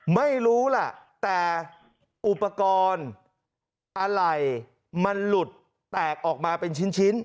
ไม่รู้ล่ะแต่อุปกรณ์อะไรมันหลุดแตกออกมาเป็นชิ้น